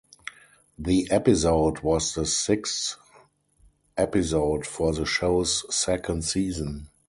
The episode was the sixth episode for the show's second season.